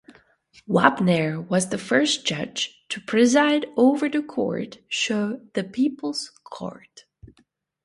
Wapner was the first judge to preside over the court show The People's Court.